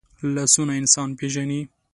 لاسونه انسان پېژني